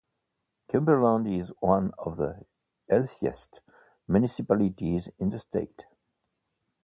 Cumberland is one of the wealthiest municipalities in the state.